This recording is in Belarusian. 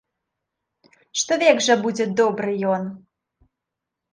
Што век жа будзе добры ён!